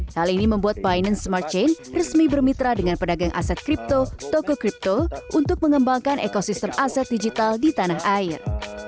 hal ini membuat binance smart chain resmi bermitra dengan pedagang aset kripto toko kripto untuk mengembangkan ekosistem aset digital di tanah air